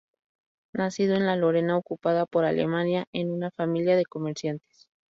Nacido en la Lorena ocupada por Alemania en una familia de comerciantes.